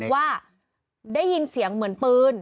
ว่าได้ยินเสียงเหมือนปืน